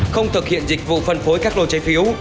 không thực hiện dịch vụ phân phối các lô trái phiếu